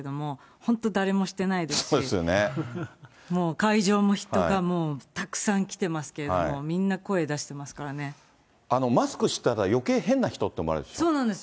本当誰もしてないですし、もう会場も人がたくさん来てますけれども、みんな声出してますかマスクしたら、そうなんですよ。